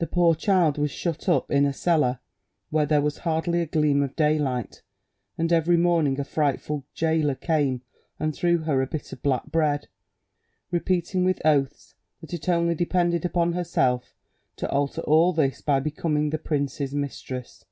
The poor child was shut up in a cellar where there was hardly a gleam of daylight, and every morning a frightful gaoler came and threw her a bit of black bread, repeating with oaths that it only depended upon herself to alter all this by becoming the prince's mistress.